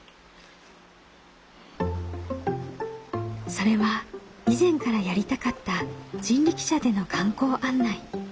それは以前からやりたかった人力車での観光案内。